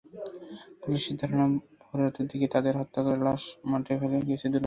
পুলিশের ধারণা, ভোররাতের দিকে তাঁদের হত্যা করে লাশ মাঠে ফেলে গেছে দুর্বৃত্তরা।